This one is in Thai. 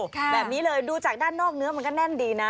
แบบนี้เลยดูจากด้านนอกเนื้อมันก็แน่นดีนะ